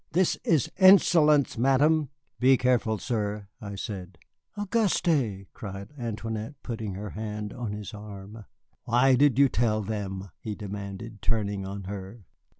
"This is insolence, Madame." "Be careful, sir," I said. "Auguste!" cried Antoinette, putting her hand on his arm. "Why did you tell them?" he demanded, turning on her.